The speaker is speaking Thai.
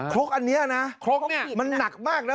ครกอันเนี้ยนะโอ้โหครกเนี้ยมันนักมากนะ